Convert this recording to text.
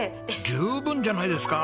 十分じゃないですか！